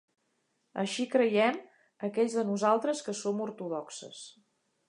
Així creiem, aquells de nosaltres que som ortodoxes.